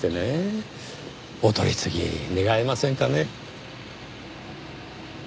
お取り次ぎ願えませんかね？